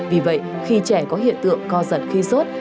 vì vậy khi trẻ có hiện tượng co giật khi sốt